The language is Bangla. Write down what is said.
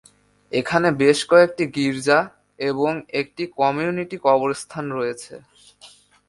এখানে বেশ কয়েকটি গির্জা এবং একটি কমিউনিটি কবরস্থান রয়েছে।